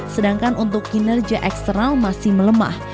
sedangkan untuk kinerja eksternal masih melemah